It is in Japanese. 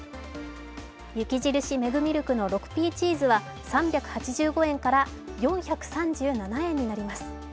雪印メグミルクの６Ｐチーズは３８５円から４３７円になります。